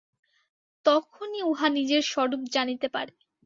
তখনই উহা নিজের স্বরূপ জানিতে পারে।